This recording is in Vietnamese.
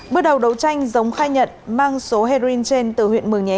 bước đầu đấu tranh giống khai nhận mang số heroin trên từ huyện mường nhé